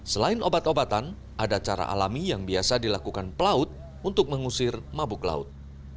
selain obat obatan ada cara alami yang biasa dilakukan pelaut untuk mengusir mabuk laut